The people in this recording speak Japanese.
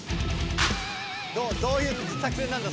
どういう作戦なんだ？